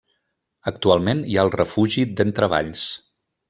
Actualment hi ha el Refugi d'Entrevalls.